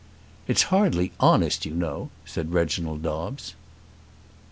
"It's hardly honest, you know," said Reginald Dobbes.